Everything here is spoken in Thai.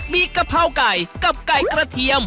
มีกะเพราไก่กับไก่กระเทียม